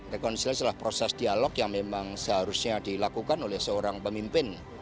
rekonsiliasi adalah proses dialog yang memang seharusnya dilakukan oleh seorang pemimpin